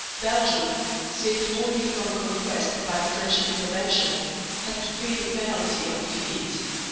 Belgium, saved only from conquest by French intervention, had to pay the penalty of defeat.